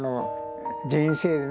人生でね